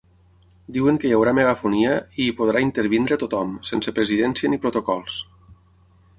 Diuen que hi haurà megafonia i hi podrà intervenir tothom, sense presidència ni protocols.